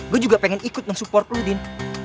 gue juga pengen ikut ngesupport lo din